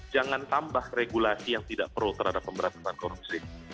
jangan tambah regulasi yang tidak perlu terhadap pemerantasan korupsi